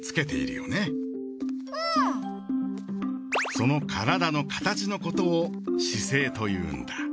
その体の形のことを姿勢というんだ。